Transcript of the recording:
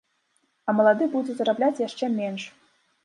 А малады будзе зарабляць яшчэ менш.